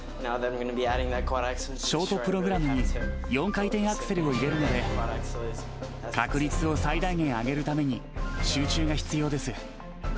ショートプログラムに４回転アクセルを入れるので、確率を最大限上げるために、集中が必要です。